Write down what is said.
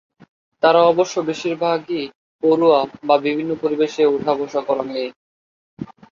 তারা অবশ্য বেশির ভাগই পড়ুয়া বা বিভিন্ন পরিবেশে ওঠা-বসা করা মেয়ে।